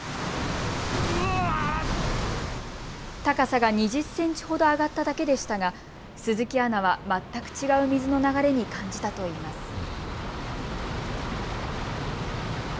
高さが２０センチほど上がっただけでしたが鈴木アナは全く違う水の流れに感じたといいます。